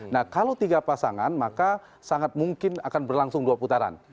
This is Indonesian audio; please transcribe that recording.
nah kalau tiga pasangan maka sangat mungkin akan berlangsung dua putaran